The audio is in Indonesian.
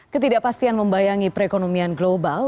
ketidakpastian membayangi perekonomian global